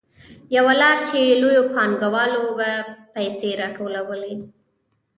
یوه لار چې لویو پانګوالو به پیسې راټولولې